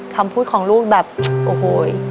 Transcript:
คำพูดของลูกแบบโอ้โห